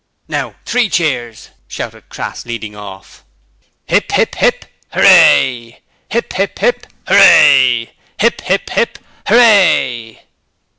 'Now three cheers!' shouted Crass, leading off. Hip, hip, hip, hooray! Hip, hip, hip, hooray! Hip, hip, hip, hooray!